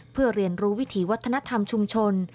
เพื่อเรียนรู้วิถีวัฒนธรรมชุมชน